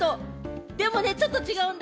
でもちょっと違うんだ。